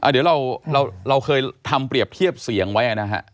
เดี๋ยวเราเคยทำเปรียบเทียบเสียงไว้นะฮะ